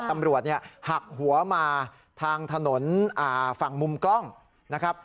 ตำรวจเนี่ยหักหัวมาทางถนนฝั่งมุมกล้องนะครับ